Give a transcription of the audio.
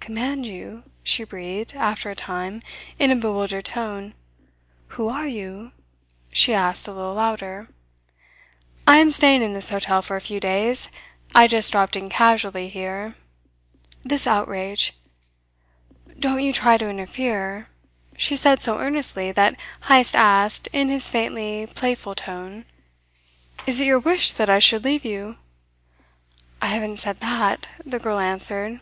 "Command you?" she breathed, after a time, in a bewildered tone. "Who are you?" she asked a little louder. "I am staying in this hotel for a few days. I just dropped in casually here. This outrage " "Don't you try to interfere," she said so earnestly that Heyst asked, in his faintly playful tone: "Is it your wish that I should leave you?" "I haven't said that," the girl answered.